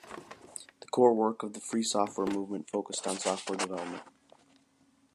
The core work of the free software movement focused on software development.